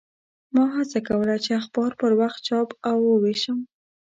ما هڅه کوله چې اخبار پر وخت چاپ او ووېشم.